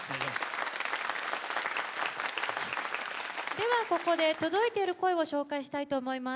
では、ここで届いている声を紹介したいと思います。